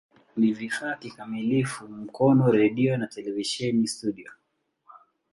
Ni vifaa kikamilifu Mkono redio na televisheni studio.